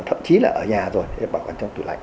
thậm chí là ở nhà rồi bảo quản trong tủ lạnh